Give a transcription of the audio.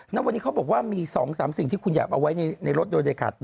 ณวันนี้เขาบอกว่ามี๒๓สิ่งที่คุณอยากเอาไว้ในรถโดยเด็ดขาด